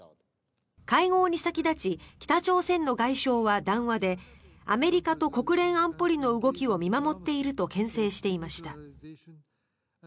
会合に先立ち、北朝鮮の外相は談話でアメリカと国連安保理の動きを見守っているとけん制していました。